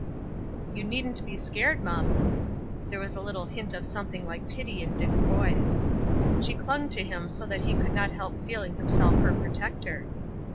"You needn't be scared, mum!" There was a little hint of something like pity in Dick's voice. She clung to him so that he could not help feeling himself her protector.